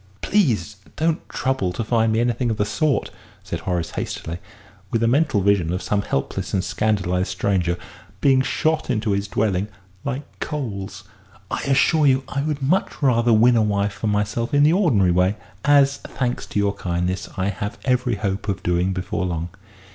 "Please don't trouble to find me anything of the sort!" said Horace, hastily, with a mental vision of some helpless and scandalised stranger being shot into his dwelling like coals. "I assure you I would much rather win a wife for myself in the ordinary way as, thanks to your kindness, I have every hope of doing before long."